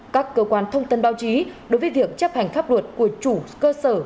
các cơ quan thông tin báo chí đối với việc chấp hành pháp luật của chủ cơ sở